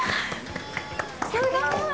すごーい！